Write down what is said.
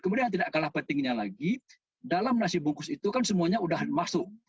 kemudian yang tidak kalah pentingnya lagi dalam nasi bungkus itu kan semuanya sudah masuk